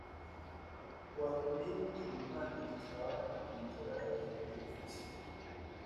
Cuatro mil musulmanes estaban atrincherados en el edificio.